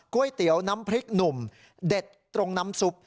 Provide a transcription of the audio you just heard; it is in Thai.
ก๋วยเตี๋ยวน้ำพริกหนุ่มเด็ดตรงน้ำซุป